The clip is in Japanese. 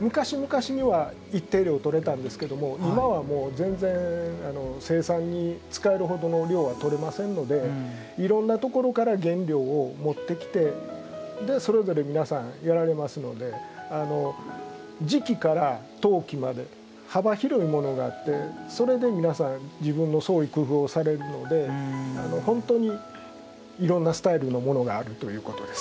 昔々には一定量取れたんですけども今はもう全然生産に使えるほどの量は取れませんのでいろんなところから原料を持ってきてそれぞれ皆さんやられますので磁器から陶器まで幅広いものがあってそれで皆さん自分の創意工夫をされるので本当にいろんなスタイルのものがあるということです。